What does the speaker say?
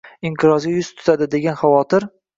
inqirozga yuz tutadi degan xavotir.